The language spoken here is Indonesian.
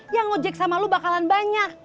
yang ngojek sama lo bakalan banyak